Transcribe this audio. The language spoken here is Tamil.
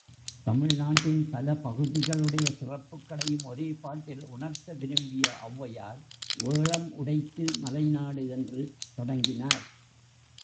தமிழ்நாட்டின் பல பகுதிகளுடைய சிறப்புக்களையும் ஒரே பாட்டில் உணர்த்த விரும்பிய ஒளவையார், வேழம் உடைத்து மலைநாடு என்று தொடங்கினார்.